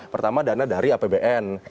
pertama dana dari apbn